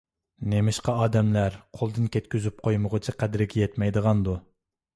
نېمىشقا ئادەملەر قولدىن كەتكۈزۈپ قويمىغۇچە قەدرىگە يەتمەيدىغاندۇ؟